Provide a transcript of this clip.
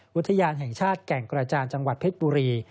อุทยานแห่งชาติแก่งกระจานจังหวัดเพชรบุรี